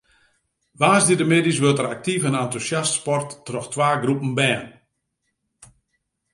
Woansdeitemiddeis wurdt der aktyf en entûsjast sport troch twa groepen bern.